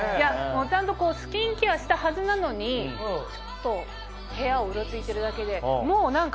ちゃんとこうスキンケアしたはずなのにちょっと部屋をうろついているだけでもう何か。